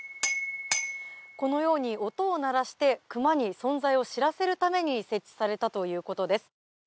このように音を鳴らしてクマに存在を知らせるために設置されたということです。